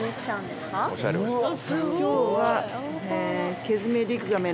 今日は。